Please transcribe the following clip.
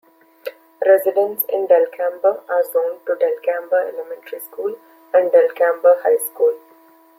Residents in Delcambre are zoned to Delcambre Elementary School and Delcambre High School.